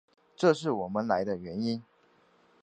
这是我们来的原因。